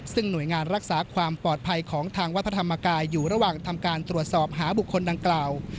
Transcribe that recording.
ซึ่งหน่วยงานรักษาความปลอดภัยของทางวัดพระธรรมกายอยู่ระหว่างทำการตรวจสอบหาบุคคลดังกล่าว